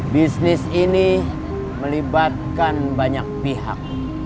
bisnis ini melibatkan banyak pihak